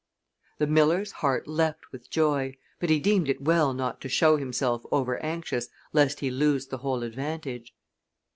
The miller's heart leaped with joy, but he deemed it well not to show himself over anxious lest he lose the whole advantage.